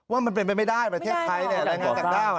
มันเป็นไปไม่ได้ประเทศไทยแรงงานต่างด้าว